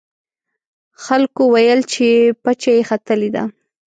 خلکو ویل چې پچه یې ختلې ده.